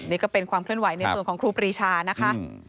นี่ก็เป็นความเคลื่อนไหวในส่วนของครูปรีชานะคะ